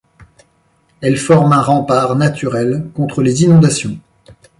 Elles forment un rempart naturel contre les inondations.